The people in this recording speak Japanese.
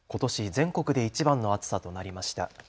全国でいちばんの暑さとなりました。